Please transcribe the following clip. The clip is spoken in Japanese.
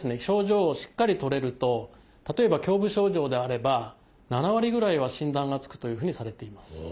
症状をしっかり取れると例えば胸部症状であれば７割ぐらいは診断がつくというふうにされています。